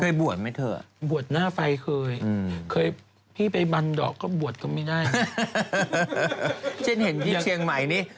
อยากกลิ่งขึ้นเห็นญี่ปุ่นเชียงไหมนี่